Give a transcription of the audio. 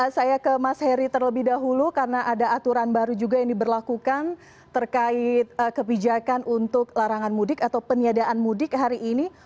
saya ke mas heri terlebih dahulu karena ada aturan baru juga yang diberlakukan terkait kebijakan untuk larangan mudik atau peniadaan mudik hari ini